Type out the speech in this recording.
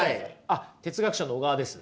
あっ哲学者の小川です。